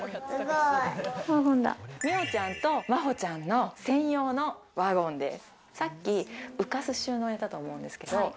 みおちゃんと、まほちゃんの専用のワゴンです。